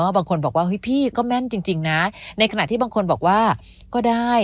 บางคนบอกว่าเฮ้ยพี่ก็แม่นจริงนะในขณะที่บางคนบอกว่าก็ได้